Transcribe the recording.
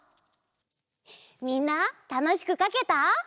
みんなたのしくかけた？